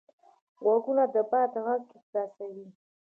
غوږونه د باد غږ احساسوي